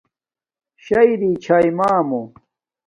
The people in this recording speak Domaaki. شݳ رِݵ چھݳئی مݳمݸ.